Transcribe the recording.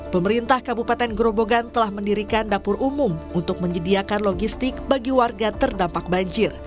pemerintah kabupaten gerobogan telah mendirikan dapur umum untuk menyediakan logistik bagi warga terdampak banjir